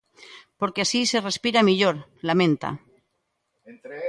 Porque así se respira mellor, lamenta.